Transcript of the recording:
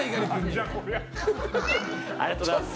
ありがとうございます。